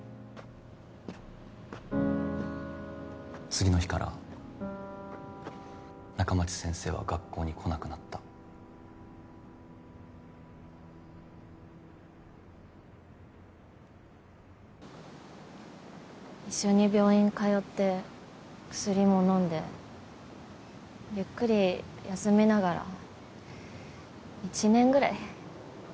次の日から仲町先生は学校に来なくなった一緒に病院通って薬も飲んでゆっくり休みながら１年ぐらい？